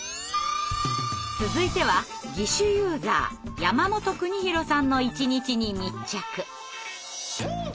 続いては義手ユーザーやまもとくにひろさんの一日に密着。